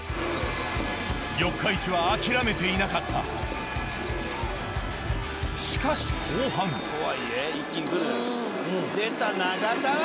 四日市は諦めていなかったしかし後半一気に来る出た長澤！